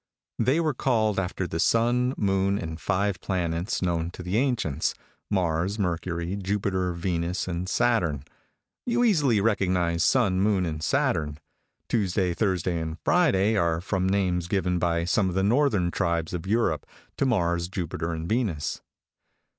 "They were called after the sun, moon, and five planets known to the ancients, Mars, Mercury, Jupiter, Venus, and Saturn. You easily recognize sun, moon, and Saturn, Tuesday, Thursday, and Friday are from names given by some of the Northern tribes of Europe to Mars, Jupiter, and Venus.